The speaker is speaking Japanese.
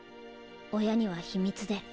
親には秘密で。